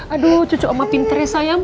aduh cucuk oma pinternya sayang